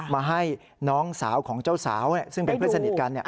มาให้น้องสาวของเจ้าสาวซึ่งเป็นเพื่อนสนิทกัน